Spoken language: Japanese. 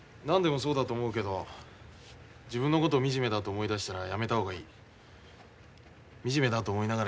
何でもそうだと思うけど自分のことを惨めだと思いだしたらやめた方がいい。